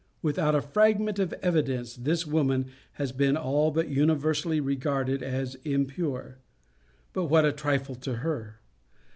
Without a fragment of evidence, this woman has been all but universally regarded as impure. But what a trifle to her!